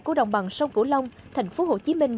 của đồng bằng sông cửu long thành phố hồ chí minh